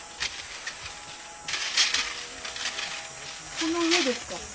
この上ですか？